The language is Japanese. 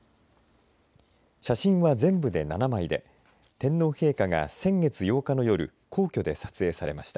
写真は全部で７枚で天皇陛下が先月８日の夜皇居で撮影されました。